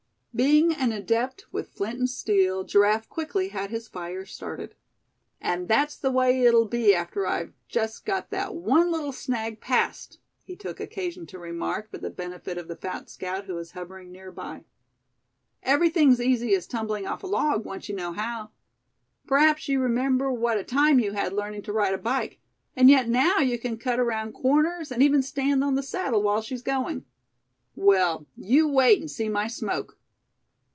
Being an adept with the flint and steel, Giraffe quickly had his fire started. "And that's the way it'll be after I've just got that one little snag passed," he took occasion to remark, for the benefit of the fat scout, who was hovering near by. "Everything's easy as tumbling off a log, once you know how. P'raps you remember what a time you had learnin' to ride a bike; and yet now you can cut around corners, and even stand on the saddle while she's going. Well, you wait and see my smoke."